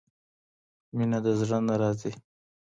مينه د زړه نه راځي.